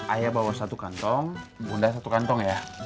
ayah bawa satu kantong bunda satu kantong ya